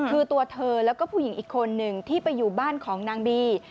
คือตัวเธอแล้วก็ผู้หญิงอีกคนหนึ่งที่ไปอยู่บ้านของนางบี